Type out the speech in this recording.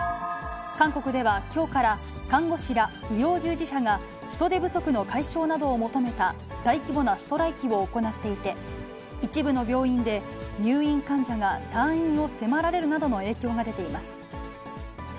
韓国ではきょうから、看護師ら医療従事者が、人手不足の解消などを求めた大規模なストライキを行っていて、一部の病院で入院患者が退院を迫られるなどの影響が出ています。